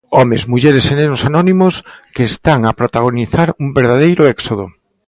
Homes, mulleres e nenos anónimos que están a protagonizar un verdadeiro éxodo.